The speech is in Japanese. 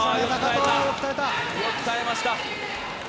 よく耐えました。